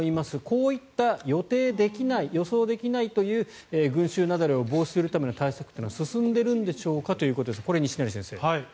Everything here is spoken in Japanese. こういった予定できない予想できないという群衆雪崩を防止するための対策というのは進んでるんでしょうか？ということですがこれ、西成先生。